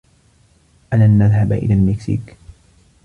ألن نذهب إلى المكسيك؟